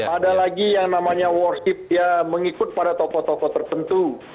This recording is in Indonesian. ada lagi yang namanya worship ya mengikut pada tokoh tokoh tertentu